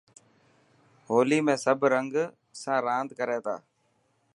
هولي ۾ سڀ رنگ سان راند ڪري ٿا.